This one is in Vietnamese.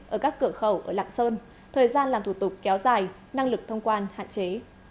ở các cửa khẩu ở lạng sơn thời gian làm thủ tục kéo dài năng lực thông quan hạn chế